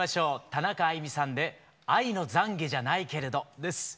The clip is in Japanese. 田中あいみさんで「愛の懺悔じゃないけれど」です。